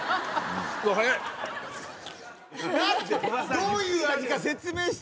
どういう味か説明して。